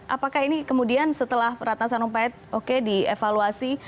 apakah ini kemudian setelah ratna sarumpait oke dievaluasi